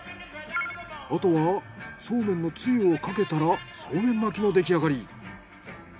あとはそうめんのつゆをかけたらそうめん巻きのできあがり。